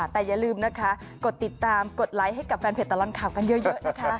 แต่อย่าลืมนะคะกดติดตามกดไลค์ให้กับแฟนเพจตลอดข่าวกันเยอะนะคะ